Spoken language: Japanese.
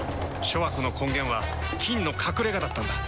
諸悪の根源は「菌の隠れ家」だったんだ。